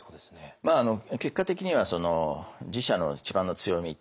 結果的には自社の一番の強み